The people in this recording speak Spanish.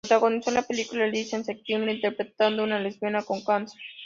Protagonizó la película "Liz en septiembre", interpretando a una lesbiana con cáncer.